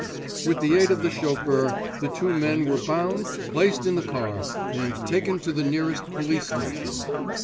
"With the aid of the chauffeur, the two men were bound, placed in the car, and taken to the nearest police station.